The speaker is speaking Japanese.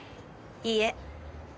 いいえ。